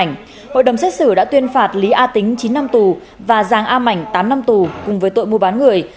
trong hội đồng xét xử đã tuyên phạt lý a tính chín năm tù và giàng a mảnh tám năm tù cùng với tội mua bán người